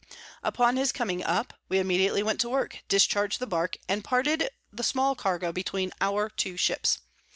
Upon his coming up, we immediately went to work, discharg'd the Bark, and parted the small Cargo between our two Ships.